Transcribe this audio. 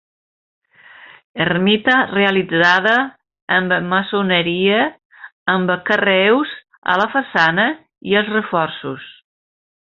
Ermita realitzada amb maçoneria, amb carreus a la façana i als reforços.